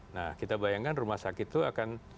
nah kita bayangkan rumah sakit itu akan